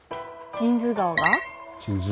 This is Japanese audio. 神通川が。